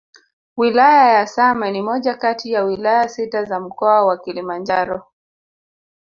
Wilaya ya Same ni moja kati ya Wilaya sita za mkoa wa Kilimanjaro